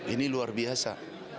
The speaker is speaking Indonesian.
ini luar biasa